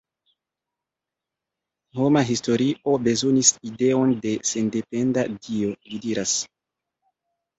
Homa historio bezonis ideon de sendependa Dio, li diras.